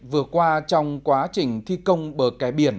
vừa qua trong quá trình thi công bờ kẻ biển